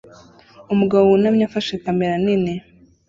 Umugabo wunamye afashe kamera nini